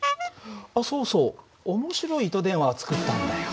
あっそうそう面白い糸電話を作ったんだよ。